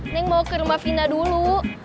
neng mau ke rumah vina dulu